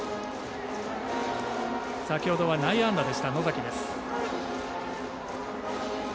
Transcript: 先ほどは内野安打でした野崎です。